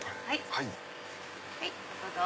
はいどうぞ。